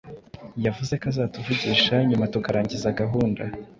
yavuze ko azatuvugisha nyuma tukarangiza gahunda